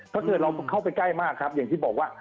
ถ้าเกิดเราเข้าไปใกล้มากครับอย่างที่บอกว่า